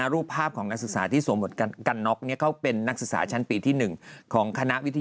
รูปภาพของนักศึกษาที่สวมมดกันน็อก